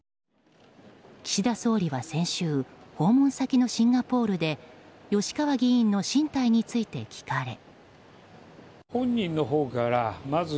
岸田総理は先週訪問先のシンガポールで吉川議員の進退について聞かれ。